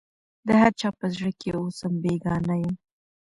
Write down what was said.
د هر چا په زړه کي اوسم بېګانه یم